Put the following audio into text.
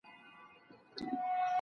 غلطي خبري باید له څېړني لیري کړای سي.